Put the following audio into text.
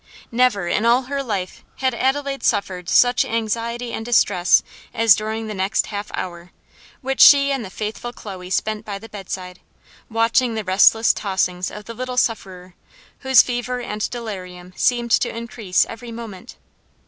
Never in all her life had Adelaide suffered such anxiety and distress as during the next half hour, which she and the faithful Chloe spent by the bedside, watching the restless tossings of the little sufferer, whose fever and delirium seemed to increase every moment.